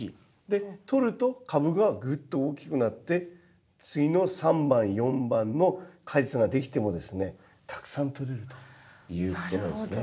で取ると株がぐっと大きくなって次の３番４番の果実ができてもですねたくさん取れるということなんですね。